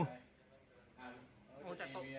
คนเจ็บเนี่ยไม่ได้พูดไม่ได้สู้เลยค่ะ